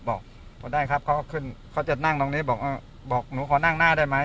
บอกพอได้ครับเขาก็ขึ้นเขาจะนั่งตรงนี้บอกหนูขอนั่งหน้าได้ไหม